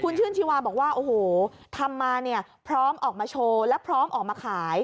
ชื่นชีวาบอกว่าโอ้โหทำมาเนี่ยพร้อมออกมาโชว์และพร้อมออกมาขาย